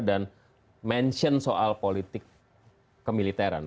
dan mengatakan soal politik kemiliteran